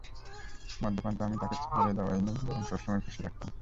মদ্যপান তো আমি তাকে ছেড়ে দেওয়াই নি, এবং সবসময়ই খুশি রাখতাম।